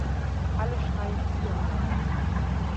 Alle schreien hier!